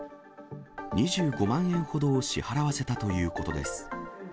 ２５万円ほどを支払わせたということです。